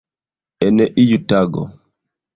En iu tago.